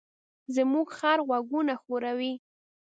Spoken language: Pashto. زموږ خر خپل غوږونه ښوروي.